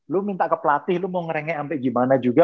lu minta ke pelatih lu mau ngerengek ampe gimana juga